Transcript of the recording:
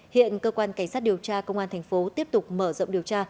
hiện cơ quan cảnh sát điều tra công an thành phố tiếp tục mở rộng điều tra